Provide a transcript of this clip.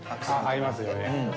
合いますよね。